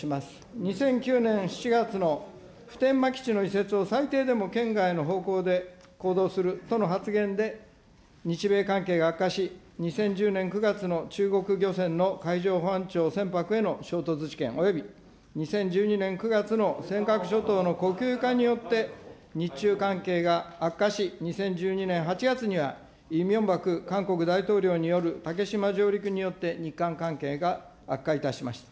２００９年７月の普天間基地の移設を最低でも県外の方向で行動するとの発言で日米関係が悪化し、２０１０年９月の中国漁船の海上保安庁船舶への衝突事件および２０１２年９月の尖閣諸島の国有化によって、日中関係が悪化し、２０１２年８月にはイ・ミョンバク韓国大統領による竹島上陸によって、日韓関係が悪化いたしました。